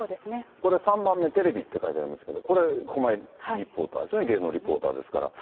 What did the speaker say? これ、３番目、テレビって書いてありますけれども、これ、駒井リポーターですよね、芸能リポーターですから。